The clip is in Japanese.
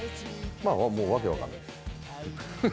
もう訳分かんないです。